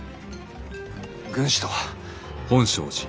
軍師とは。